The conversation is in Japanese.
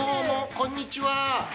こんにちは。